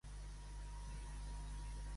Qui va salvar a Harpe i Harpas?